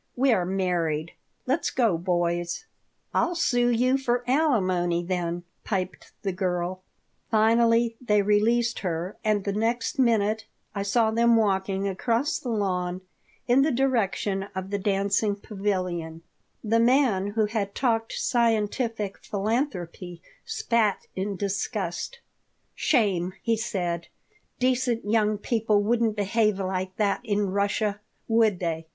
"We are married. Let go, boys." "I'll sue you for alimony then," piped the girl Finally, they released her, and the next minute I saw them walking across the lawn in the direction of the dancing pavilion The man who had talked scientific philanthropy spat in disgust "Shame!" he said. "Decent young people wouldn't behave like that in Russia, would they?"